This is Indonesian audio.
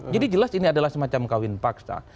jadi jelas ini adalah semacam kawin paksa